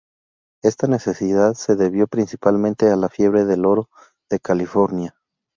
Esta necesidad se debió principalmente a la fiebre del oro de California.